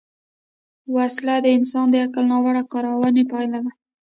وسله د انسان د عقل ناوړه کارونې پایله ده